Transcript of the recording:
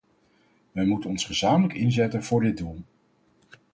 Wij moeten ons gezamenlijk inzetten voor dit doel.